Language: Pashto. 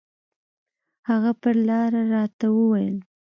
هغه پر لاره راته وويل.